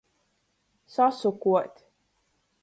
Sasukuot.